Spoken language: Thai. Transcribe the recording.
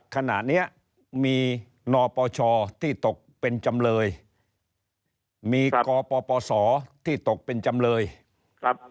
ขณะเนี้ยมีนปชที่ตกเป็นจำเลยมีกปปศที่ตกเป็นจำเลยครับ